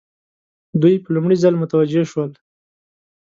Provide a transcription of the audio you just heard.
دوی په لومړي ځل متوجه شول.